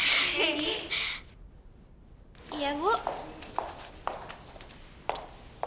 bisa bantu ibu sebentar